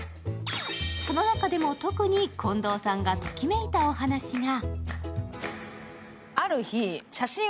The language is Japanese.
その中でも特に近藤さんがときめいたお話が。